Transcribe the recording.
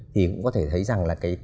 thì cũng có thể thấy rằng là cái